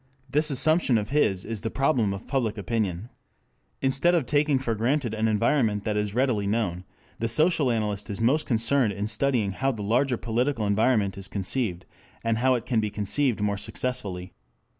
This assumption of his is the problem of public opinion. Instead of taking for granted an environment that is readily known, the social analyst is most concerned in studying how the larger political environment is conceived, and how it can be conceived more successfully.